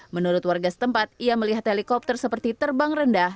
menurut warga setempat ia melihat helikopter seperti terbang rendah